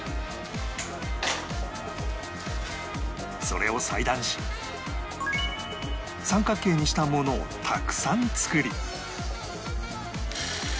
それを裁断し三角形にしたものをたくさん作り